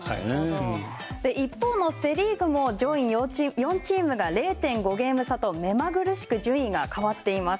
一方のセ・リーグも上位４チームが０．５ゲーム差と目まぐるしく順位が変わっています。